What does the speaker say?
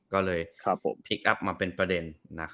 ก็เลยมาเป็นประเด็น